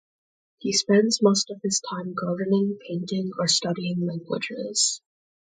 He spends most of his time gardening, painting, or studying languages.